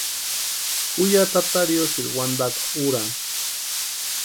Ju ya tata riosïri wantakwa úrani.